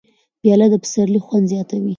پیاله د پسرلي خوند زیاتوي.